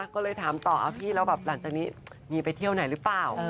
ก็เลยถามต่อพี่แล้วแบบหลังจากนี้มีไปเที่ยวไหนหรือเปล่า